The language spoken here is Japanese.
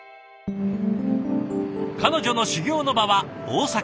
彼女の修業の場は大阪。